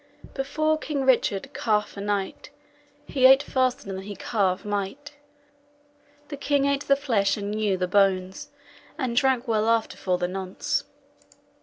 Before King Richard carff a knight, He ate faster than he carve might. The king ate the flesh and GNEW [Gnawed] the bones, And drank well after for the nonce.